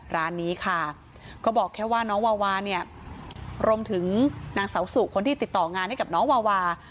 ร้านนี้ค่ะก็บอกแค่ว่าน้องวาวาเนี่ยรวมถึงนางเสาสุคนที่ติดต่องานให้กับน้องวาวา